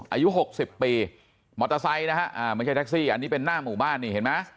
อายุ๖๐ปีมอเตอร์ไซต์นะฮะไม่ใช่แท็คซี่อันนี้เป็นหน้าหมู่บ้านเนี่ย